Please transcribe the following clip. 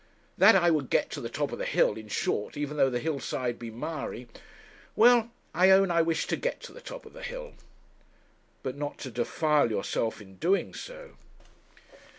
'That I would get to the top of the hill, in short, even though the hillside be miry. Well, I own I wish to get to the top of the hill.' 'But not to defile yourself in doing so.'